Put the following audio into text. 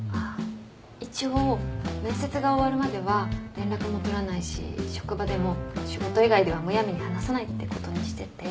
一応面接が終わるまでは連絡も取らないし職場でも仕事以外ではむやみに話さないってことにしてて。